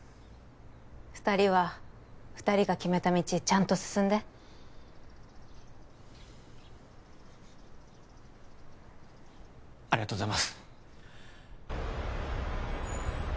２人は２人が決めた道ちゃんと進んでありがとうございます